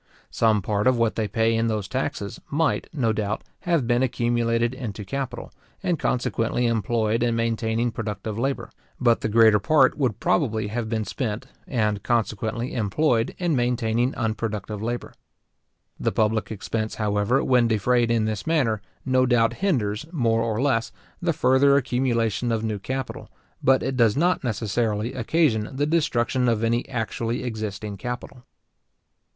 Some part of what they pay in those taxes, might, no doubt, have been accumulated into capital, and consequently employed in maintaining productive labour; but the greater part would probably have been spent, and consequently employed in maintaining unproductive labour. The public expense, however, when defrayed in this manner, no doubt hinders, more or less, the further accumulation of new capital; but it does not necessarily occasion the destruction of any actually existing capital.